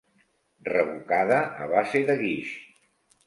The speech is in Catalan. Revocada a base de guix.